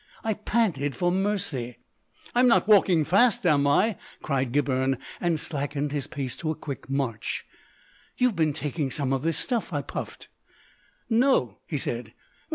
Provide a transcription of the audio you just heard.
I panted for mercy. "I'm not walking fast, am I?" cried Gibberne, and slackened his pace to a quick march. "You've been taking some of this stuff," I puffed. "No," he said.